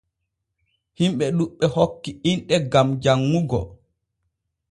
Himɓe ɗuɓɓe hokki inɗe gam janŋugo.